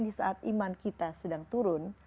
di saat iman kita sedang turun